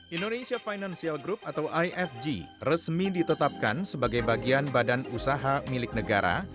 indonesia financial group atau ifg resmi ditetapkan sebagai bagian badan usaha milik negara